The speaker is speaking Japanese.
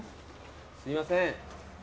すいません。